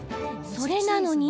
それなのに。